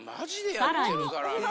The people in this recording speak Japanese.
さらに。